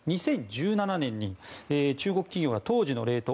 ２０１７年に中国企業が当時のレート